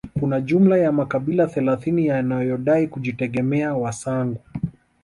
Kuna jumla ya makabila thelathini yanayodai kujitegemea Wasangu